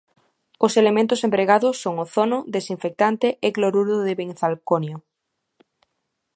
Os elementos empregados son ozono, desinfectante e cloruro de benzalconio.